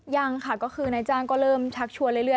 ยังค่ะก็คือนายจ้างก็เริ่มชักชวนเรื่อย